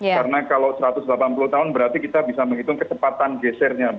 karena kalau satu ratus delapan puluh tahun berarti kita bisa menghitung kesempatan gesernya